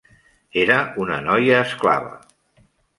Era una noia esclava.